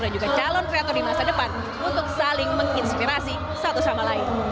dan juga calon kreator di masa depan untuk saling menginspirasi satu sama lain